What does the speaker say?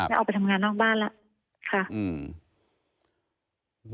ออกไปทำงานนอกบ้านแล้วค่ะอืม